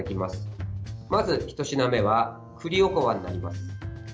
まず１品目は栗おこわになります。